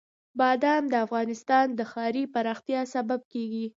بادام د افغانستان د ښاري پراختیا سبب کېږي.